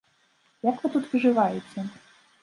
Як вы тут выжываеце?